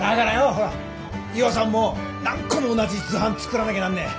ほら岩さんも何個も同じ図版作らなきゃなんねえ！